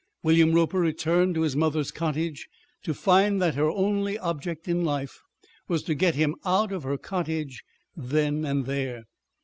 William Roper returned to his mother's cottage to find that her only object in life was to get him out of her cottage then and there.